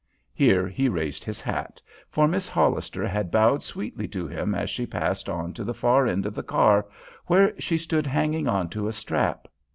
Here he raised his hat, for Miss Hollister had bowed sweetly to him as she passed on to the far end of the car, where she stood hanging on to a strap.